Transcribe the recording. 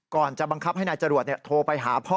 จะบังคับให้นายจรวดโทรไปหาพ่อ